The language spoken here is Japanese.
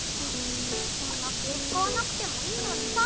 そんな気を遣わなくてもいいのにさ。